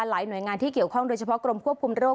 หน่วยงานที่เกี่ยวข้องโดยเฉพาะกรมควบคุมโรค